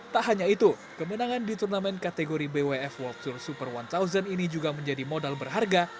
tak hanya itu kemenangan di turnamen kategori bwf world tour super one dua ribu ini juga menjadi modal berharga